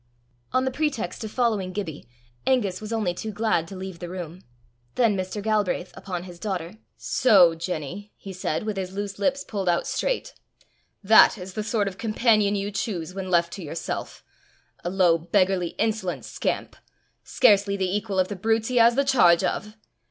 On the pretext of following Gibbie, Angus was only too glad to leave the room. Then Mr. Galbraith upon his daughter. "So, Jenny!" he said, with his loose lips pulled out straight, "that is the sort of companion you choose when left to yourself! a low, beggarly, insolent scamp! scarcely the equal of the brutes he has the charge of!"